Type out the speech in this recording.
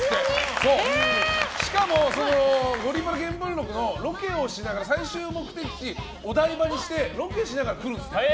しかも、「ゴリパラ見聞録」のロケをしながら最終目的地をお台場にしてロケしながら来るんですって。